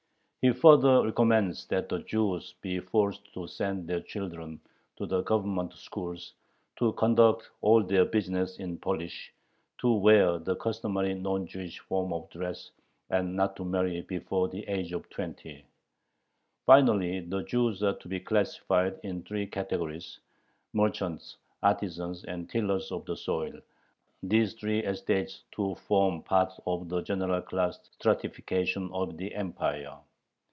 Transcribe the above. He further recommends that the Jews be forced to send their children to the Government schools, to conduct all their business in Polish, to wear the customary non Jewish form of dress, and not to marry before the age of twenty. Finally the Jews are to be classified in three categories, merchants, artisans, and tillers of the soil, these three estates to form part of the general class stratification of the Empire.